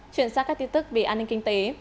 chuyển sang các tin tức về an ninh kinh tế